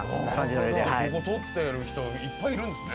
ここ撮ってる人いっぱいいるんですね。